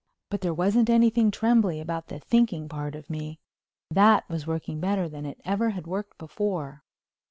But there wasn't anything trembly about the thinking part of me. That was working better than it had ever worked before.